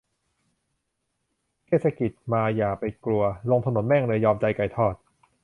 เทศกิจมาอย่าไปกลัว ลงถนนแม่งเลย ยอมใจไก่ทอด